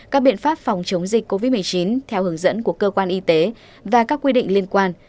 các biện pháp phòng chống dịch covid một mươi chín theo hướng dẫn của cơ quan y tế và các quy định liên quan